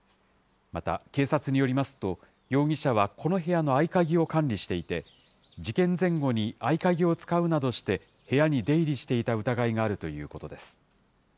また、警察によりますと、容疑者はこの部屋の合鍵を管理していて、事件前後に合鍵を使うなどして、部屋に出入りしていた疑いがあるということです。